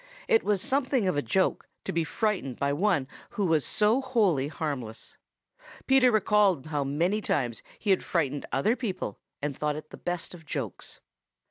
It was something of a joke to be frightened by one who was so wholly harmless. Peter recalled how many times he had frightened other people and thought it the best of jokes.